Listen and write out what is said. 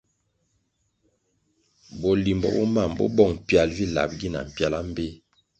Bolimbo mam bo bong pial vi lab gina mpiala mbpéh.